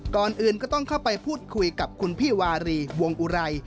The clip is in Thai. ก่อนอื่นก็ต้องเข้าไปพูดคุยกับคุณพี่วารีวงอุไร